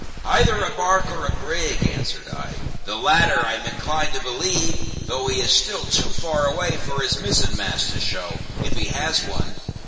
"Either a barque or a brig," answered I; "the latter I am inclined to believe, though he is still too far away for his mizzen mast to show, if he has one."